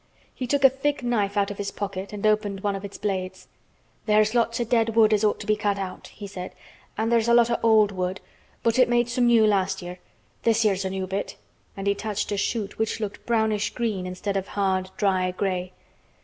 He took a thick knife out of his pocket and opened one of its blades. "There's lots o' dead wood as ought to be cut out," he said. "An' there's a lot o' old wood, but it made some new last year. This here's a new bit," and he touched a shoot which looked brownish green instead of hard, dry gray.